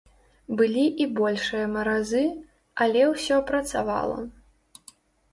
Былі і большыя маразы, але ўсё працавала.